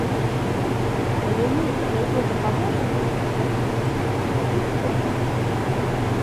Калі мы яе дапаможам людзям зарабіць, тады ўсё!